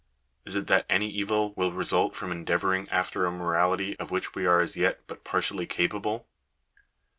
Is it that any evil will result from endeavouring after a morality of which we are as yet but partially capable?